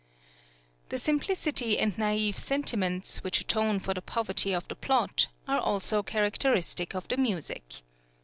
The simplicity and naïve sentiments, which atone for the poverty of the plot, are also characteristic of the music.